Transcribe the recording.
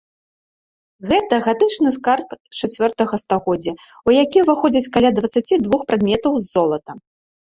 Гэта гатычны скарб чацвёртага стагоддзя, у які ўваходзяць каля дваццаці двух прадметаў з золата.